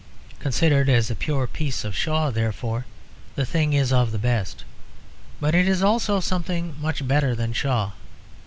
Considered as a pure piece of Shaw therefore, the thing is of the best. But it is also something much better than Shaw.